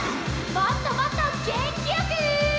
もっともっとげんきよく！